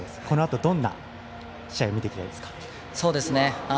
このあと、どんな試合を見せていきたいですか？